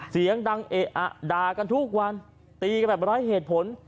เสียงดังเอะอะด่ากันทุกวันตีกันแบบไร้เหตุผล